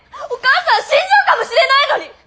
お母さん死んじゃうかもしれないのに。